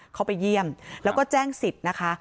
เขาไปเยี่ยมแล้วก็แจ้งสิทธิ์นะคะ